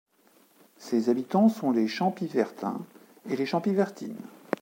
Ses habitants sont les Champivertins et les Champivertines.